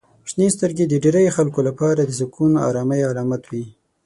• شنې سترګې د ډیری خلکو لپاره د سکون او آرامۍ علامت دي.